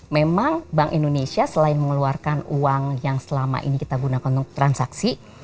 memang bank indonesia selain mengeluarkan uang yang selama ini kita gunakan untuk transaksi